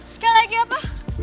sekali lagi apa